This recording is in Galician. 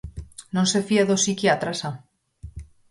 Non se fía dos psiquiatras xa?